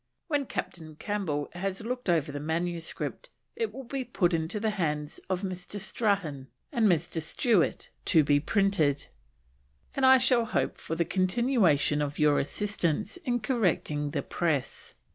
When Captain Campbell has looked over the manuscript it will be put into the hands of Mr. Strahan and Mr. Stuart to be printed, and I shall hope for the continuation of your assistance in correcting the press.